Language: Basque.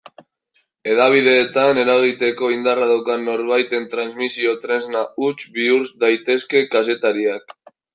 Hedabideetan eragiteko indarra daukan norbaiten transmisio-tresna huts bihur daitezke kazetariak.